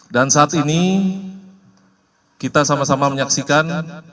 dan saat ini kita sama sama menyaksikan